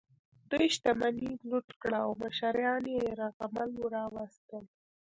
دوی شتمني یې لوټ کړه او مشران یې یرغمل راوستل.